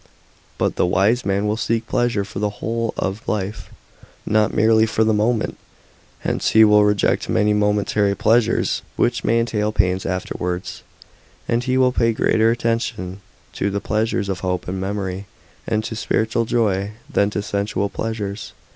But the wise man will seek pleasure for the whole ot life, not merely for the moment. Hence he will reject many momentary pleasures which may entail pains afterwards ; and he will pay greater attention to the pleasures of hope and memory, and to spiritual joy, than to sensual pleasures.